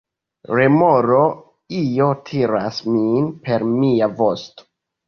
Remoro: "Io tiras min per mia vosto."